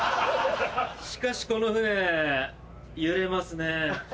しかしこの船揺れますねぇ。